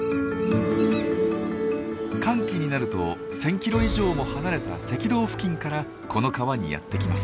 乾季になると１，０００キロ以上も離れた赤道付近からこの川にやって来ます。